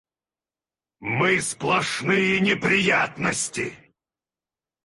Мы сплошные неприятности!